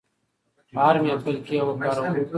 په هر محفل کې یې وکاروو.